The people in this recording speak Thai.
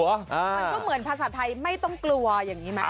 มันก็เหมือนภาษาไทยไม่ต้องกลัวอย่างนี้ไหม